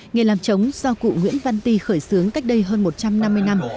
nghề làm trống do cụ nguyễn văn ti khởi xướng cách đây hơn một trăm năm mươi năm